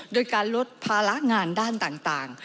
โดยการลดภาระงานด้านต่าง